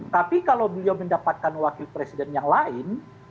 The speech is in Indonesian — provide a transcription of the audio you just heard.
tapi kalau beliau mendapatkan wakil presiden yang lain